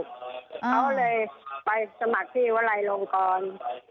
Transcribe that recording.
เขาเลยไปสมัครที่วลัยลงกร